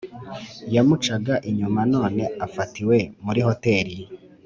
Yamucaga inyuma none afatiwe muri hotel